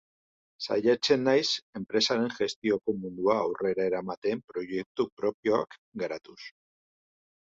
Saiatzen naiz enpresaren gestioko mundua aurrera eramaten proiektu propioak garatuz.